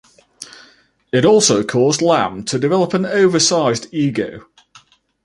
It also caused Lamb to develop an oversized ego.